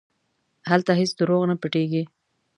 هلته هېڅ دروغ نه پټېږي.